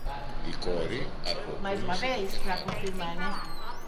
Η κόρη αργοκούνησε το κεφάλι.